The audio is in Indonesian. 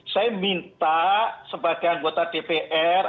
saya minta sebagai anggota dpr